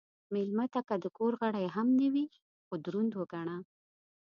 مېلمه ته که د کور غړی هم نه وي، خو دروند وګڼه.